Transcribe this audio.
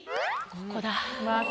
ここだ。